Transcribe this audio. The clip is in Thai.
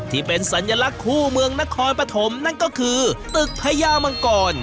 ที่เป็นสัญลักษณ์คู่เมืองนครปฐมนั่นก็คือตึกพญามังกร